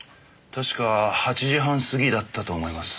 確か８時半過ぎだったと思います。